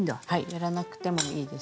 やらなくてもいいです。